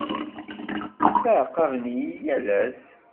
Ttɛaqaben-iyi yal ass.